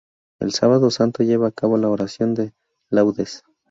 El Sábado Santo lleva a cabo la oración de laudes.